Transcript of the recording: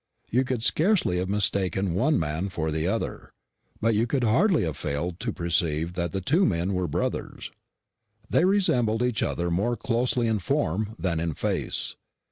You could scarcely have mistaken one man for the other, but you could hardly have failed to perceive that the two men were brothers. They resembled each other more closely in form than in face.